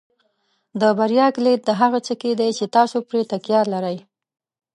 د بریا کلید د هغه څه کې دی چې تاسو پرې تکیه لرئ.